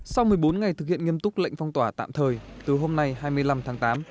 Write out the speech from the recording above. sau một mươi bốn ngày thực hiện nghiêm túc lệnh phong tỏa tạm thời từ hôm nay hai mươi năm tháng tám